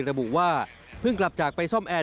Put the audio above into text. ระบุว่าเพิ่งกลับจากไปซ่อมแอร์